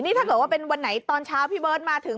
นี่ถ้าเกิดว่าเป็นวันไหนตอนเช้าพี่เบิร์ตมาถึง